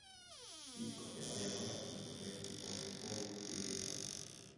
Piiskopi aia korrastamise projekti koostas OÜ Kivisilla.